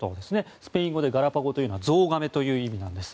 スペイン語でガラパゴというのはゾウガメのことなんです。